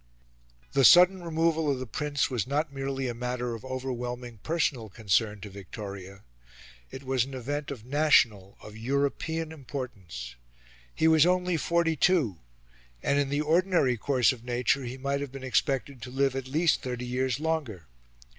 The sudden removal of the Prince was not merely a matter of overwhelming personal concern to Victoria; it was an event of national, of European importance. He was only forty two, and in the ordinary course of nature he might have been expected to live at least thirty years longer.